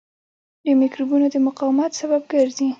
د مکروبونو د مقاومت سبب ګرځي.